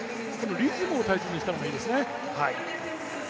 リズムを大切にした方がいいですね。